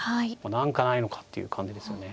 何かないのかっていう感じですよね。